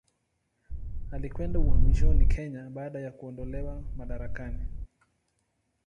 Alikwenda uhamishoni Kenya baada ya kuondolewa madarakani.